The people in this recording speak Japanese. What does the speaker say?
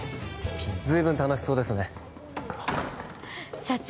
随分楽しそうですね社長